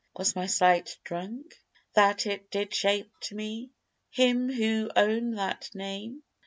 Was my sight drunk, that it did shape to me Him who should own that name?